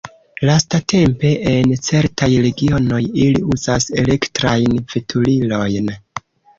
Lastatempe en certaj regionoj ili uzas elektrajn veturilojn.